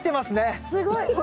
すごい。